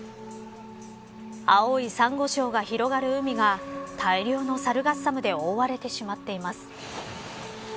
青いサンゴ礁が広がる海が大量のサルガッサムで覆われてしまっています。